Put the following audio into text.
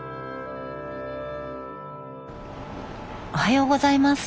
おはようございます。